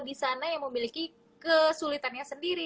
di sana yang memiliki kesulitannya sendiri